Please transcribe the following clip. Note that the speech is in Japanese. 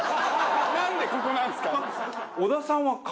なんでここなんですか？